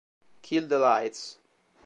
Kill the Lights